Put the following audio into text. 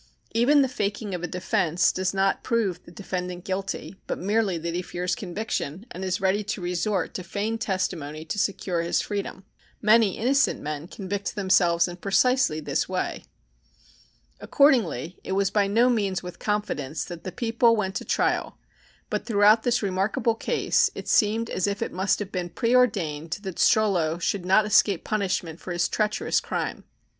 Even the "faking" of a defence does not prove the defendant guilty, but merely that he fears conviction, and is ready to resort to feigned testimony to secure his freedom. Many innocent men convict themselves in precisely this way. Accordingly it was by no means with confidence that the People went to trial, but throughout this remarkable case it seemed as if it must have been preordained that Strollo should not escape punishment for his treacherous crime.